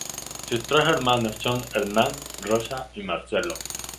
Sus tres hermanos son Hernán, Rosa y Marcelo.